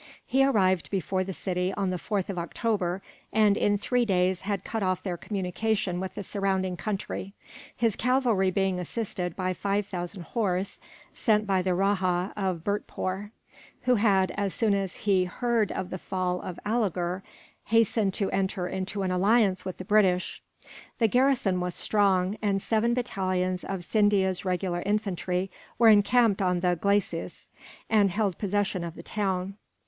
He arrived before the city on the 4th of October and, in three days, had cut off their communication with the surrounding country; his cavalry being assisted by five thousand horse, sent by the Rajah of Bhurtpoor, who had, as soon as he heard of the fall of Alighur, hastened to enter into an alliance with the British. The garrison was strong, and seven battalions of Scindia's regular infantry were encamped on the glacis, and held possession of the town.